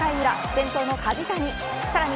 先頭の梶谷さらに